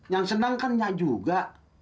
yang senang kan gak juga